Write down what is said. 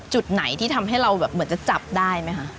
จุดไหนที่ทำให้เราแบบเหมือนจะจับได้ไหมคะ